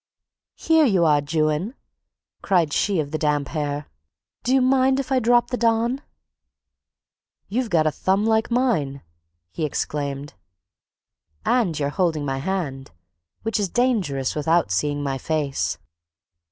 "Here you are, Juan," cried she of the damp hair. "Do you mind if I drop the Don?" "You've got a thumb like mine!" he exclaimed. "And you're holding my hand, which is dangerous without seeing my face."